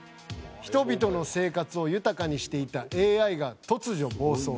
「人々の生活を豊かにしていたＡＩが突如暴走」